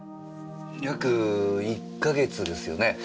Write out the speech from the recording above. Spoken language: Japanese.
約１か月ですよね？